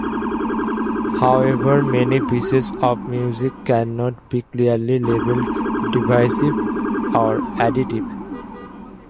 However, many pieces of music cannot be clearly labeled divisive or additive.